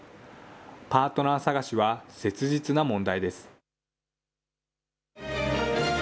パートナー探しは切実な問題です。